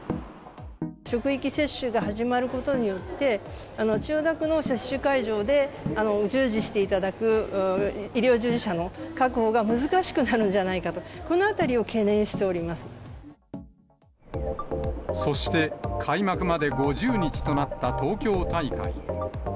職域接種が始まることによって、千代田区の接種会場で従事していただく医療従事者の確保が難しくなるんじゃないかと、そして、開幕まで５０日となった東京大会。